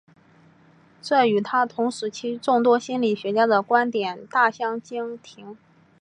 这与他同时期众多心理学家的观点大相径庭。